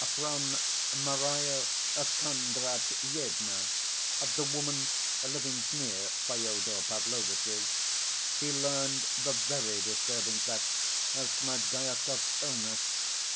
From Marya Kondratyevna (the woman living near Fyodor Pavlovitch's) he learned the very disturbing fact of Smerdyakov's illness.